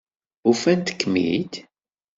Ufant-ikem-id?